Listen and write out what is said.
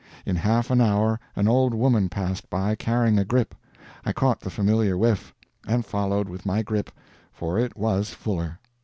In half an hour an old woman passed by, carrying a grip; I caught the familiar whiff, and followed with my grip, for it was Fuller.